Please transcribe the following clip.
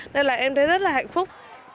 nên là em thấy rất là hạnh phúc